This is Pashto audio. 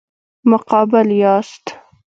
مقابل یاست.